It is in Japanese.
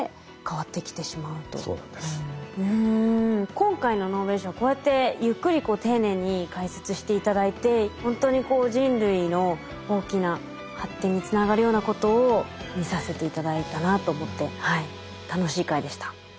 今回のノーベル賞こうやってゆっくり丁寧に解説して頂いてほんとにこう人類の大きな発展につながるようなことを見させて頂いたなと思って楽しい回でした。